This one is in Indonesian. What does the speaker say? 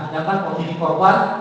sedangkan posisi korban